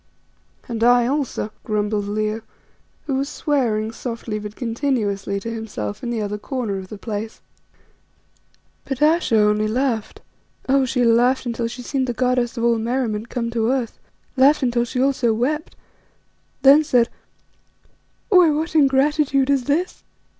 "And I also," grumbled Leo, who was swearing softly but continuously to himself in the other corner of the place. But Ayesha only laughed, oh! she laughed until she seemed the goddess of all merriment come to earth, laughed till she also wept, then said "Why, what ingratitude is this?